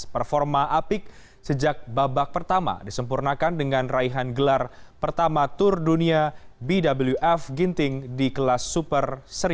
performa apik sejak babak pertama disempurnakan dengan raihan gelar pertama tour dunia bwf ginting di kelas super seribu